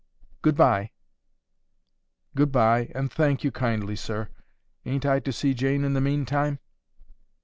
Good bye." "Good bye, and thank you kindly, sir.—Ain't I to see Jane in the meantime?"